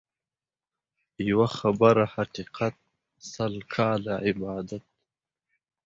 يوه خبره حقيقت ، سل کاله عبادت.